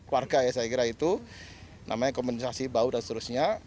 warga ya saya kira itu namanya kompensasi bau dan seterusnya